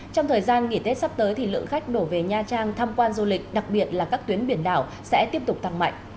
trong thời gian nghỉ tết sắp tới thì lượng khách đổ về nha trang tham quan du lịch đặc biệt là các tuyến biển đảo sẽ tiếp tục tăng mạnh